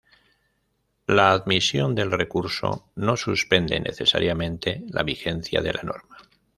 La admisión del recurso no suspende, necesariamente, la vigencia de la norma.